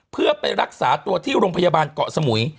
เพื่อไปรักษาตัวที่โรงพยาบาลเกาะสมุย